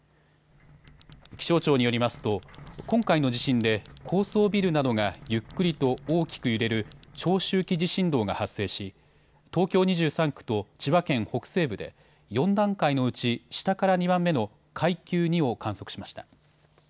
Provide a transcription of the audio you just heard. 気象庁によりますと今回の地震で高層ビルなどがゆっくりと大きく揺れる長周期地震動が発生し東京２３区と千葉県北西部で４段階のうち下から２番目の階級２を観測しました。